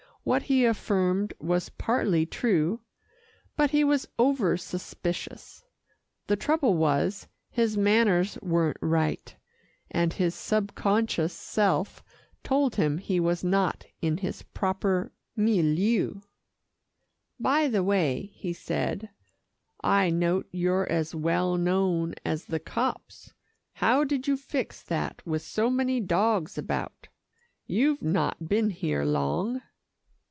What he affirmed was partly true, but he was over suspicious. The trouble was, his manners weren't right, and his sub conscious self told him he was not in his proper milieu. "By the way," he said, "I note you're as well known as the cops. How did you fix that with so many dogs about? You've not been here long."